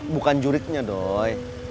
bukan jurignya doi